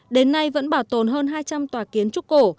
đến nay vẫn bảo tồn hơn hai trăm linh tòa kiến trúc cổ